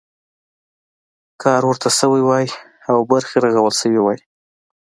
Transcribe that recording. کار ورته شوی وای او برخې رغول شوي وای.